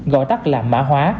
gọi tắt là mã hóa